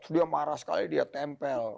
dia marah sekali dia tempel